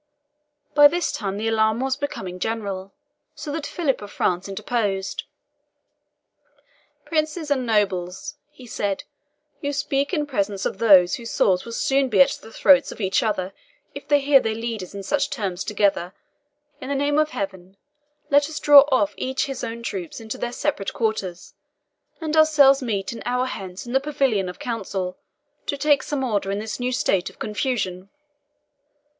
By this time the alarm was becoming general, so that Philip of France interposed. "Princes and nobles," he said, "you speak in presence of those whose swords will soon be at the throats of each other if they hear their leaders at such terms together. In the name of Heaven, let us draw off each his own troops into their separate quarters, and ourselves meet an hour hence in the Pavilion of Council to take some order in this new state of confusion."